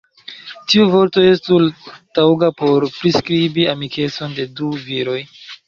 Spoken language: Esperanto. Tiu vorto estu taŭga por priskribi amikecon de du viroj.